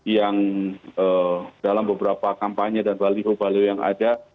yang dalam beberapa kampanye dan baliho baliho yang ada